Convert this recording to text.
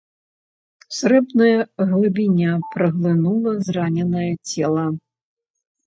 Срэбная глыбіня праглынула зраненае цела.